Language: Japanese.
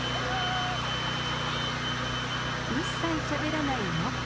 一切しゃべらないノッポさん。